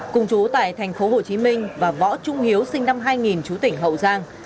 cùng chú tại thành phố hồ chí minh và võ trung hiếu sinh năm hai nghìn chú tỉnh hậu giang